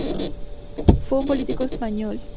Fue un político español.